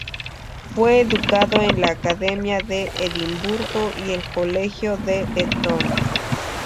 Fue educado en la Academia de Edimburgo y el Colegio de Eton.